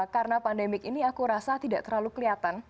karena pandemi ini aku rasa tidak terlalu kelihatan